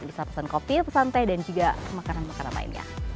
bisa pesan kopi pesan teh dan juga makanan makanan lainnya